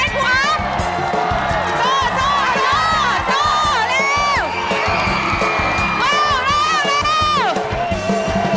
ใจเย็น